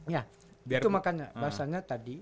ya itu makanya bahasanya tadi